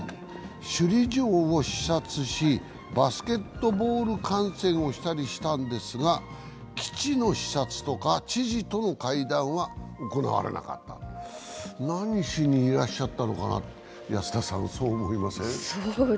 首里城を視察し、バスケットボール観戦をしたりしたんですが基地の視察とか知事との会談は行われなかった何しにいらっしゃったのかな、安田さん、そう思いません？